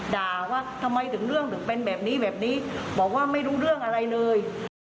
ด่าว่าทำไมถึงเรื่องถึงเป็นแบบนี้แบบนี้บอกว่าไม่รู้เรื่องอะไรเลย